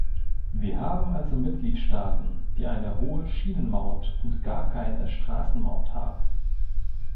Wir haben also Mitgliedstaaten, die eine hohe Schienenmaut und gar keine Straßenmaut haben.